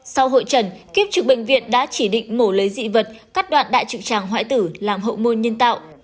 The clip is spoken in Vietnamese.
sau hội trần kiếp trực bệnh viện đã chỉ định mổ lấy dị vật cắt đoạn đại trực tràng hoại tử làm hậu môn nhân tạo